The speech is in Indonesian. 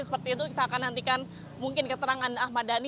seperti itu kita akan nantikan mungkin keterangan ahmad dhani